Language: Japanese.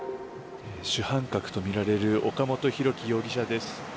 主犯格とみられる岡本大樹容疑者です。